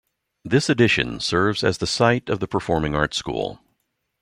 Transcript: This addition serves as the site of the Performing Arts school.